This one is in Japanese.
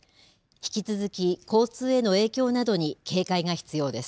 引き続き交通への影響などに警戒が必要です。